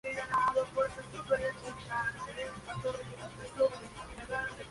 Su experiencia en el escenario condujo a un contrato con Televisa.